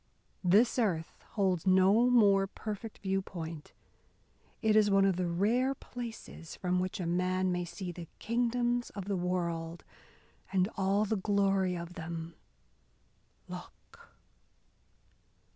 This earth holds no more perfect view point. It is one of the rare places from which a man may see the kingdoms of the world and all the glory of them. Look!"